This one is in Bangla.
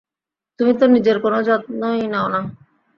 তুমি তো নিজের কোনো যত্নই নাও না।